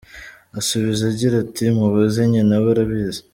Asubiza agira ati “ Mubaze nyina , we arabizi.